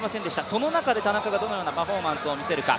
その中で田中がどのようなパフォーマンスを見せるか。